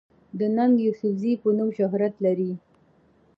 د “ ننګ يوسفزۍ” پۀ نوم شهرت لري